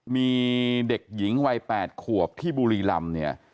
มีเด็กหญิงวัย๘ขวบที่บุรีรำเนี่ย